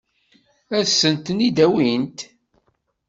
Ad sen-ten-id-awint?